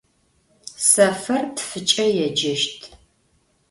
Sefer tfıç'e yêceşt.